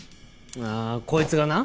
ああこいつがな。